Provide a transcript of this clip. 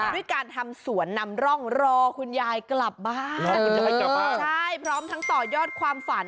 ด้วยการทำสวนนำร่องรอคุณยายกลับบ้านพร้อมทั้งต่อยอดความฝัน